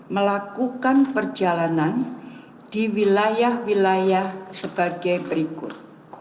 melakukan perjalanan di wilayah wilayah sebagai berikut